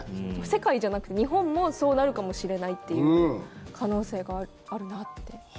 世界じゃなくて日本もそうなるかもしれないという可能性があるなって。